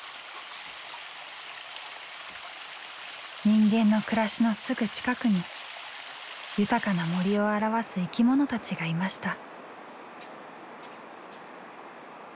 人間の暮らしのすぐ近くに豊かな森を表す生き物たちがいました。